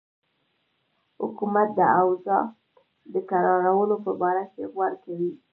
حکومت د اوضاع د کرارولو په باره کې غور کوي.